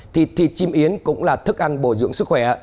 thì thịt chim yến cũng là thức ăn bổ dưỡng sức khỏe